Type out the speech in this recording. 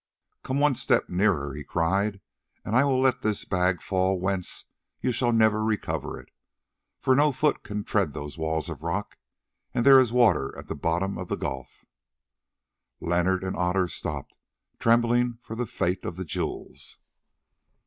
"Come one step nearer," he cried, "and I let this bag fall whence you shall never recover it, for no foot can tread these walls of rock, and there is water at the bottom of the gulf." Leonard and Otter stopped, trembling for the fate of the jewels.